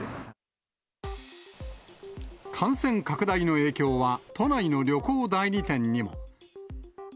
感染拡大の影響は、都内の旅行代理店にも。